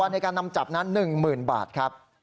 ในการนำจับนั้น๑๐๐๐บาทครับ